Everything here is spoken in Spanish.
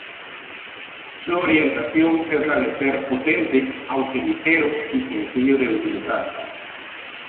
Su orientación es la de ser potente aunque ligero y sencillo de utilizar.